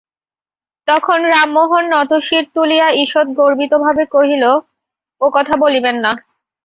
তখন রামমোহন নতশির তুলিয়া ঈষৎ গর্বিতভাবে কহিল, ও-কথা বলিবেন না।